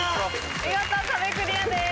見事壁クリアです。